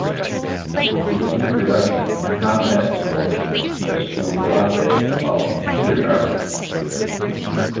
His introduction to combat sports was through karate while in kindergarten.